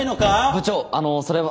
部長あのそれは。